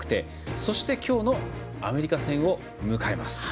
そしてきょうのアメリカ戦を迎えます。